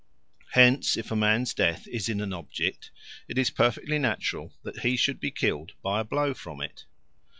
Hence if a man's death is in an object, it is perfectly natural that he should be killed by a blow from it.